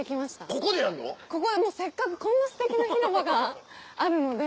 ここでやんの⁉せっかくこんなすてきな広場があるので。